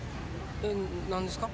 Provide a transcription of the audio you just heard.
え何ですか？